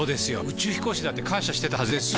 宇宙飛行士だって感謝してたはずです！